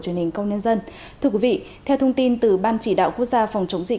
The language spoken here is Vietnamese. truyền hình công nhân dân thưa quý vị theo thông tin từ ban chỉ đạo quốc gia phòng chống dịch